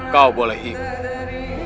kau boleh hibur